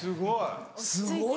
すごい。